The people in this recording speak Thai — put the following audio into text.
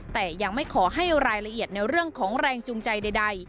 แต่ยังไม่ขอให้รายละเอียดในเรื่องของแรงจูงใจใด